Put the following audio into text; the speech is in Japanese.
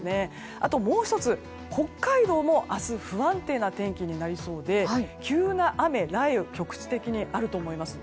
あともう１つ、北海道も明日は不安定な天気になりそうで急な雨、雷雨局地的にあると思います。